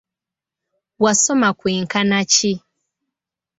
Wasoma kwenkana ki?